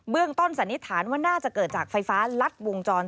เบื้องต้นสาริฐานว่าน่าจะเกิดจากไฟฟ้าลัดโวงจร